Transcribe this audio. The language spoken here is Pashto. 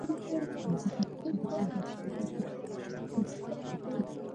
پنځه تنه سوداګر د لږې ګټې له امله له خپلې لارې واوښتل.